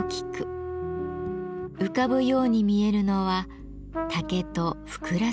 浮かぶように見えるのは竹とふくら雀。